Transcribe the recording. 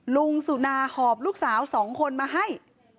ลุงสุนาหอบลูกสาว๒คนมาให้